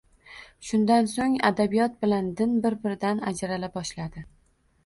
Shundan so‘ng adabiyot bilan din bir-biridan ajrala boshladi.